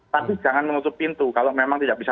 tapi jangan menutup pintu kalau memang tidak bisa